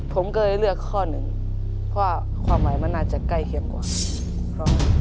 ผมก็เลยเลือกข้อหนึ่งเพราะความหมายมันน่าจะใกล้เคียงกว่า